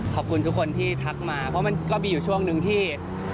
ขอบคุณทุกคนที่ทักมาเพราะมันก็มีอยู่ช่วงนึงที่